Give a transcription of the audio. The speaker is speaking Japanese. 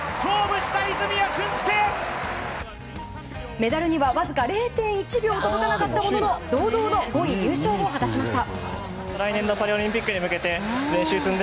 メダルにはわずか０．１秒届かなかったものの堂々の５位入賞を果たしました。